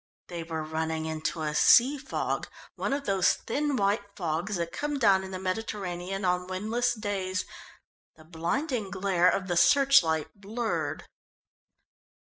They were running into a sea fog, one of those thin white fogs that come down in the Mediterranean on windless days. The blinding glare of the searchlight blurred.